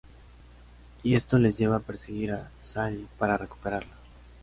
Y esto les lleva a perseguir a Sally para recuperarla.